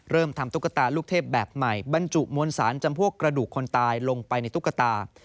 เริ่มทำตุ๊กตาลูกเทพแบบใหม่บรรจุมวลสารจำพวกกระดูกคนตายลงไปในตุ๊กตา